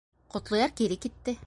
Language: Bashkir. Ҡотлояр кире китте.